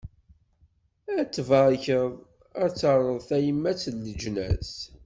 Ad t-barkeɣ, Ad t-rreɣ d tayemmat n leǧnas.